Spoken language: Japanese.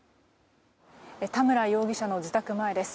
田村容疑者の自宅前です。